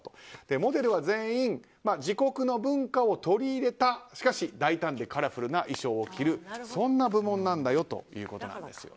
モデルは全員自国の文化を取り入れたしかし大胆でカラフルな衣装を着るそんな部門なんだということです。